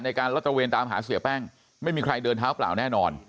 การลอตระเวนตามหาเสียแป้งไม่มีใครเดินเท้าเปล่าแน่นอน